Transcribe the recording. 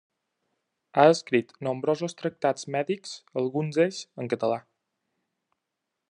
Ha escrit nombrosos tractats mèdics, alguns d'ells en català.